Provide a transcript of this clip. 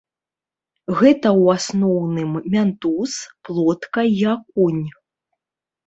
Гэта ў асноўным мянтуз, плотка і акунь.